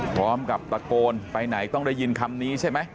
พร้อมกับตะโกนไปไหนต้องได้ยินคำนี้ใช่ไหม